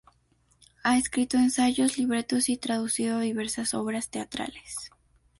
Ha escrito ensayos, libretos y traducido diversas obras teatrales.